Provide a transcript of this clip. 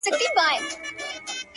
زما په سترگو كي را رسم كړي؛